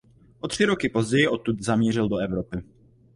O tři roky později odtud zamířil do Evropy.